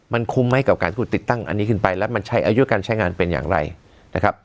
มันคุ้มไหมกับการติดตั้งอันนี้ขึ้นไปแล้วมันใช้อายุการใช้งานเป็นอย่างไรนะครับ